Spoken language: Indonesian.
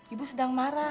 ibu sedang marah